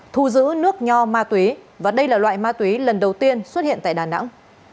thu giữ nước nho ma túy và đây là loại ma túy lần đầu tiên xuất hiện tại đà nẵng